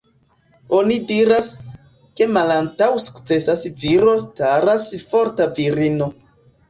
Oni diras, ke malantaŭ sukcesa viro staras forta virino.